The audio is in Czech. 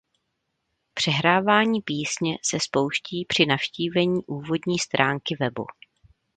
Přehrávání písně se spouští při navštívení úvodní stránky webu.